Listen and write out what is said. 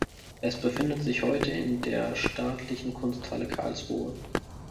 Es befindet sich heute in der Staatlichen Kunsthalle Karlsruhe.